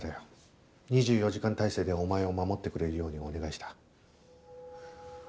２４時間態勢でお前を護ってくれるようにお願いした。